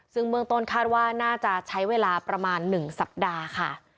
ทุกคนคาดว่าน่าจะใช้เวลาประมาณ๑สัปดาห์ค่ะ